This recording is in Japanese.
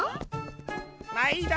まいど！